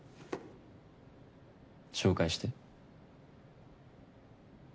紹介して。